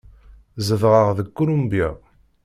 Zedɣeɣ deg Kulumbya.